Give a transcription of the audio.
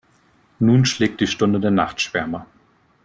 Nun schlägt die Stunde der Nachtschwärmer.